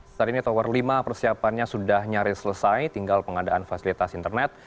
saat ini tower lima persiapannya sudah nyaris selesai tinggal pengadaan fasilitas internet